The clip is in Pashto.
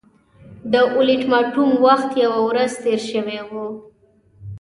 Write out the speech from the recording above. د اولټیماټوم وخت یوه ورځ تېر شوی وو.